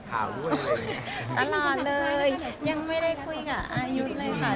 ตลอดเลยยังไม่ได้คุยกับอายุเลยค่ะ